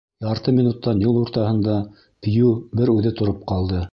Ярты минуттан юл уртаһында Пью бер үҙе тороп ҡалды.